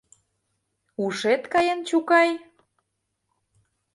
Ушет каен, чукай!